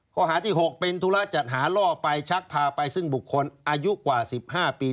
ข้อหาที่๖เป็นธุระจัดหาล่อไปชักพาไปซึ่งบุคคลอายุกว่า๑๕ปี